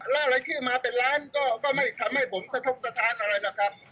แล้วอะไรขึ้นมาเป็นล้านก็ไม่ทำให้ผมสะทกสถานอะไรนะครับ